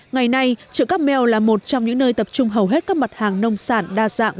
ngày nay chợ cá meo là một trong những nơi tập trung hầu hết các mặt hàng nông sản đa dạng